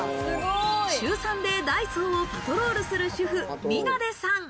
週３でダイソーをパトロールする主婦・みなでさん。